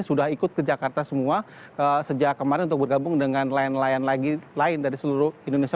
sudah ikut ke jakarta semua sejak kemarin untuk bergabung dengan nelayan nelayan lagi lain dari seluruh indonesia